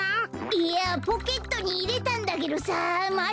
いやポケットにいれたんだけどさまちがえたんだよ